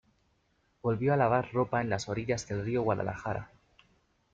Volvió a lavar ropa en las orillas del río Guadalajara.